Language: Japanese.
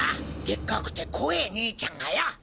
でっかくて怖ぇ兄ちゃんがよ！